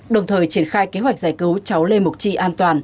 đồng thời triển khai kế hoạch giải cứu cháu lê mộc chi an toàn